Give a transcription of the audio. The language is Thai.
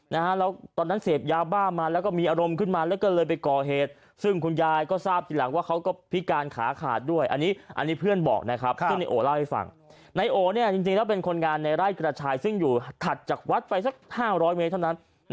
ไนโอเนี่ยเธอเป็นคนงานหลายกระจายซึ่งอยู่ถัดจากวัสต์ไปสัก๕๐๐เมตร